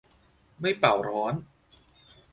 ไม่เป่าร้อน